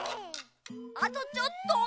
あとちょっと。